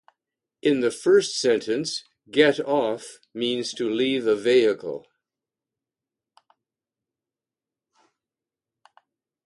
In the first sentence, "get off" means to leave a vehicle.